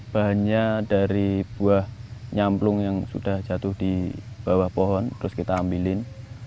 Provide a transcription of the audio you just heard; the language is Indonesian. bahannya dari buah nyamplung yang sudah jatuh di bawah pohon terus kita ambilin